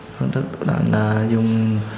phương tức là dùng